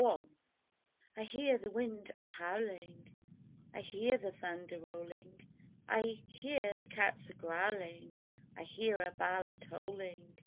1) I hear the wind a howling*, I hear the thunder rolling, I hear the cats a growling, I hear a bell a tolling.